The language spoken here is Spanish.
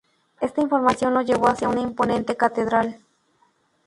Esta información lo llevó hacia una imponente catedral.